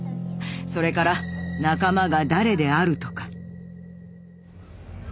それから仲間が誰であるとか。